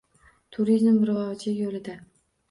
Turizm rivoji yo‘lida